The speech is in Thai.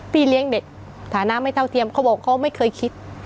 พี่เลี้ยงเด็กฐานะไม่เท่าเทียมเขาบอกเขาไม่เคยคิด